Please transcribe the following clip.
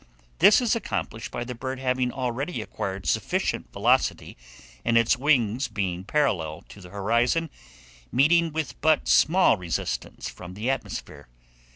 This is accomplished by the bird having already acquired sufficient velocity, and its wings being parallel to the horizon, meeting with but small resistance from the atmosphere.